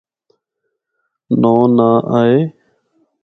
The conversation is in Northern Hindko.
نوں ناں آئے۔